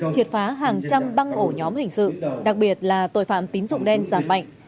triệt phá hàng trăm băng ổ nhóm hình sự đặc biệt là tội phạm tín dụng đen giảm mạnh